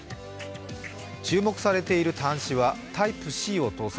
注目されている端子はＴｙｐｅ−Ｃを搭載。